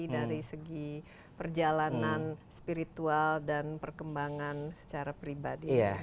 dari segi perjalanan spiritual dan perkembangan secara pribadi